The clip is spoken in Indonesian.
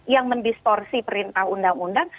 yang mendistorsi perintah undang undang